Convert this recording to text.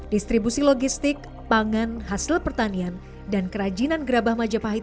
distribusi logistik pangan hasil pertanian dan kerajinan gerabah majapahit